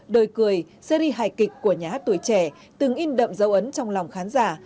đời cười seri hài kịch của nhà hát tuổi trẻ từng in đậm dấu ấn trong lòng khán giả